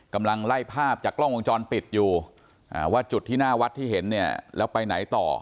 กำลังไล่ภาพจากกล้องวงจรปิดอยู่ว่าจุดที่หน้าวัดที่เห็นเนี่ยแล้วไปไหนต่อ